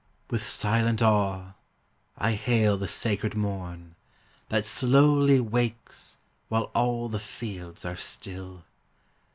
With silent awe I hail the sacred morn, That slowly wakes while all the fields are still!